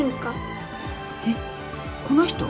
えっこの人？